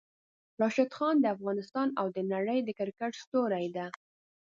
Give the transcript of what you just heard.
راشد خان د افغانستان او د نړۍ د کرکټ ستوری ده!